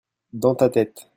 dans ta tête.